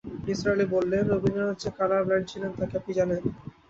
নিসার আলি বললেন, রবীন্দ্রনাথ যে কালার-ব্লাইন্ড ছিলেন তা কি আপনি জানেন?